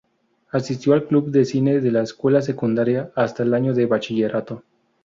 Asistió al club de cine de la escuela secundaria hasta el año de bachillerato.